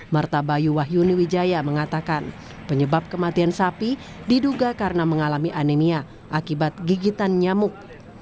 martabayu wahyuni wijaya mengatakan penyebab kematian sapi diduga karena mengalami anemia akibat gigitan nyamuk